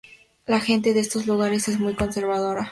La gente de estos lugares es muy conservadora.